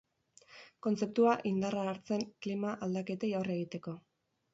Kontzeptua indarra hartzen klima aldaketari aurre egiteko.